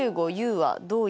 はい。